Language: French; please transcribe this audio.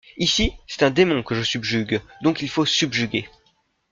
Ici, c'est un démon que je subjugue, donc il faut subjuguer.